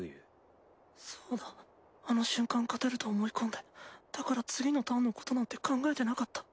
そうだあの瞬間勝てると思い込んでだから次のターンのことなんて考えてなかった。